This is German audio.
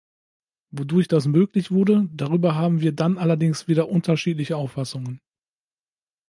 Wodurch das möglich wurde, darüber haben wir dann allerdings wieder unterschiedliche Auffassungen.